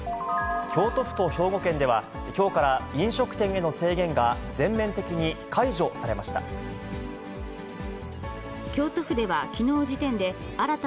京都府と兵庫県では、きょうから飲食店への制限が全面的に解除されました。